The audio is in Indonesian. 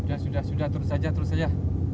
ya sudah sudah terus saja terus saja